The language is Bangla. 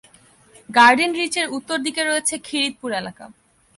গার্ডেনরিচ এর উত্তর দিকে রয়েছে খিদিরপুর এলাকা।